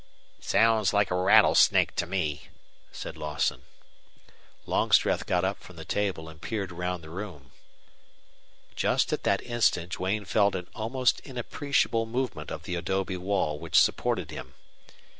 "Sounds like a rattlesnake to me," said Lawson. Longstreth got up from the table and peered round the room. Just at that instant Duane felt an almost inappreciable movement of the adobe wall which supported him.